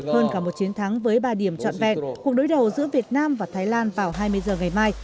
hơn cả một chiến thắng với ba điểm trọn vẹn cuộc đối đầu giữa việt nam và thái lan vào hai mươi h ngày mai